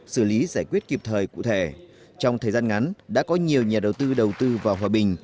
xử lý giải quyết kịp thời cụ thể trong thời gian ngắn đã có nhiều nhà đầu tư đầu tư vào hòa bình